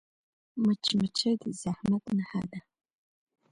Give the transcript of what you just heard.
مچمچۍ د زحمت نښه ده